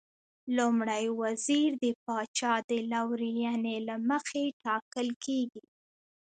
لومړی وزیر د پاچا د لورینې له مخې ټاکل کېږي.